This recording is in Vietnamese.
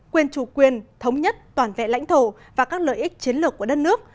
quyền chủ quyền thống nhất toàn vẹn lãnh thổ và các lợi ích chiến lược của đất nước